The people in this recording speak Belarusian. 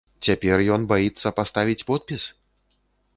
Цяпер ён баіцца паставіць подпіс?